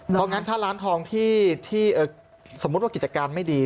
เพราะงั้นถ้าร้านทองที่สมมุติว่ากิจการไม่ดี